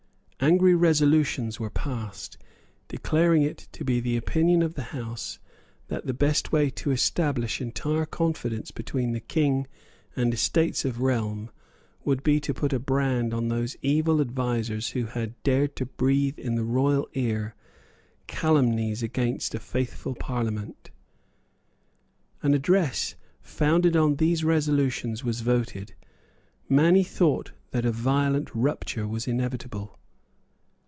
Angry resolutions were passed, declaring it to be the opinion of the House that the best way to establish entire confidence between the King and the Estates of the Realm would be to put a brand on those evil advisers who had dared to breathe in the royal ear calumnies against a faithful Parliament. An address founded on these resolutions was voted; many thought that a violent rupture was inevitable.